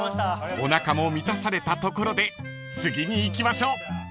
［おなかも満たされたところで次に行きましょう］